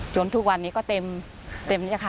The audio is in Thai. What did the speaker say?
ทุกวันนี้ก็เต็มนี้ค่ะ